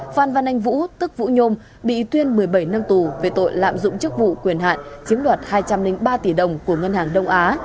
phan văn anh vũ tức vũ nhôm bị tuyên một mươi bảy năm tù về tội lạm dụng chức vụ quyền hạn chiếm đoạt hai trăm linh ba tỷ đồng của ngân hàng đông á